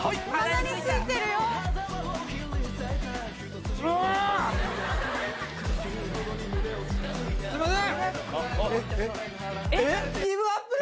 すいません。